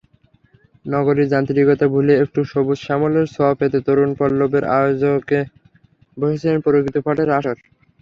নগরীর যান্ত্রিকতা ভুলে একটু সবুজ-শ্যামলের ছোঁয়া পেতে তরুপল্লবের আয়োজনে বসেছিল প্রকৃতিপাঠের আসর।